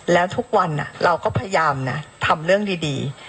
แล้วทุกวันเราก็พยายามนะทำเรื่องดี